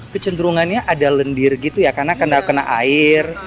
kecenderungannya ada lendir gitu ya karena kena kena air